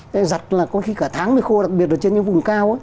đấy dặt là có khi cả tháng mới khô đặc biệt là trên những vùng cao